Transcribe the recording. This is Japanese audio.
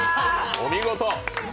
お見事！